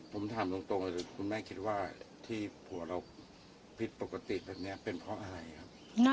ผมถามตรงเลยคุณแม่คิดว่าที่ผัวเราผิดปกติแบบนี้เป็นเพราะอะไรครับ